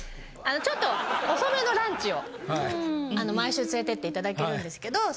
ちょっと遅めのランチを毎週連れてっていただけるんですけど。